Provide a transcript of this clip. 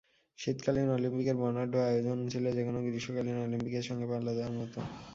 শীতকালীন অলিম্পিকের বর্ণাঢ্য আয়োজন ছিল যেকোনো গ্রীষ্মকালীন অলিম্পিকের সঙ্গে পাল্লা দেওয়ার মতো।